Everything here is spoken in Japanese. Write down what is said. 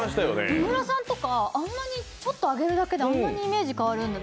野村さんとか、あんなにちょっと上げるだけであんなにイメージ変わるんだ。